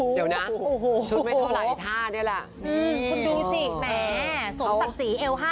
เดี๋ยวนะชุดไม่เท่าไหร่ท่านี่แหละ